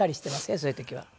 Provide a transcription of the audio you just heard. そういう時は。